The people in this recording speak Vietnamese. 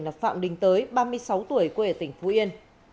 danh tính nạn nhân được xác định là phạm đình tới ba mươi sáu tuổi quê ở tỉnh phú yên